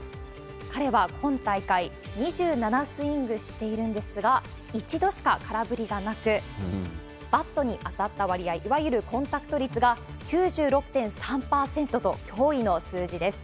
彼は今大会、２７スイングしているんですが、一度しか空振りがなく、バットに当たった割合、いわゆるコンタクト率が、９６．３％と、驚異の数字です。